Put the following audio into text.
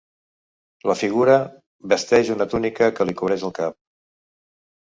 La figura vesteix una túnica que li cobreix el cap.